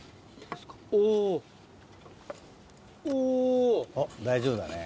おっ大丈夫だね。